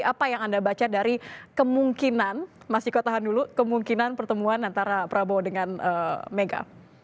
apa yang anda baca dari kemungkinan mas ciko tahan dulu kemungkinan pertemuan antara prabowo dengan mega